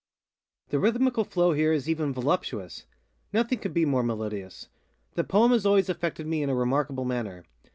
The rhythmical flow here is even voluptuousŌĆönothing could be more melodious. The poem has always affected me in a remarkable manner.